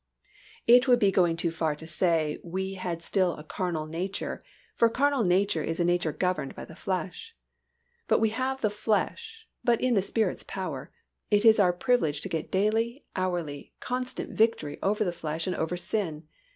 It would be going too far to say we had still a carnal nature, for a carnal nature is a nature governed by the flesh; but we have the flesh, but in the Spirit's power, it is our privilege to get daily, hourly, constant victory over the flesh and over sin.